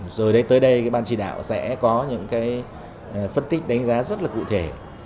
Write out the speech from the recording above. rồi tới đây cái ban trì đạo sẽ có những cái phân tích đánh giá rất là cụ thể